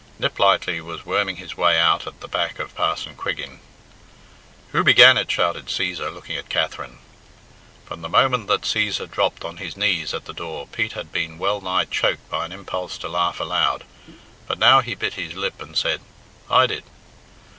(Niplightly was worming his way out at the back of Parson Quiggin.) "Who began it?" shouted Cæsar, looking at Katherine. From the moment that Cæsar dropped on his knees at the door, Pete had been well nigh choked by an impulse to laugh aloud. But now he bit his lip and said, "I did!"